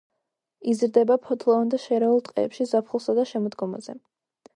იზრდება ფოთლოვან და შერეულ ტყეებში ზაფხულსა და შემოდგომაზე.